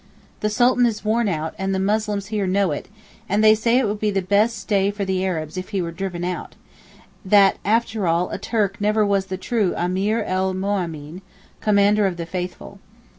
The Sultan is worn out, and the Muslims here know it, and say it would be the best day for the Arabs if he were driven out; that after all a Turk never was the true Ameer el Moomeneen (Commander of the Faithful).